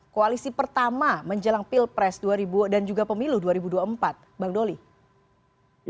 koalisi pertama menjelang pilpres dan juga pemilu dua ribu dua puluh empat bang doli